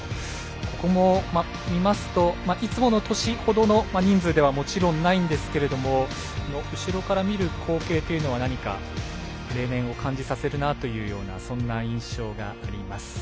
ここも見ますといつもの年ほどの人数ではもちろんないんですけど後ろから見る光景というのは何か例年を感じさせるなというそんな印象があります。